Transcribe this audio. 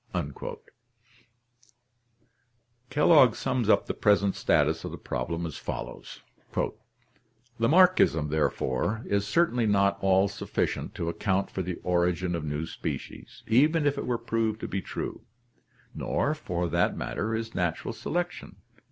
Kellogg sums up the present status of the problem as follows: Lamarckism, therefore, is certainly not all sufficient to ac count for the origin of new species, even if it were proved to be true; nor for that matter is natural selection.